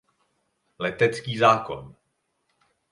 Letecký zákon.